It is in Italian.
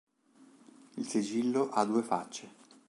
Il sigillo ha due facce.